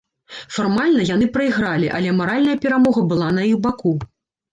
Фармальна яны прайгралі, але маральная перамога была на іх баку.